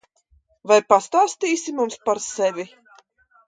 Vai pastāstīsi mums par sevi?